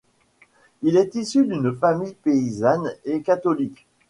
Il est issu d'une famille paysanne et catholique.